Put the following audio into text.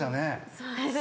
そうですね。